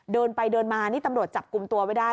เดินไปเดินมานี่ตำรวจจับกลุ่มตัวไว้ได้